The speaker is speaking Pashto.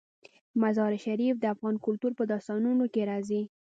مزارشریف د افغان کلتور په داستانونو کې راځي.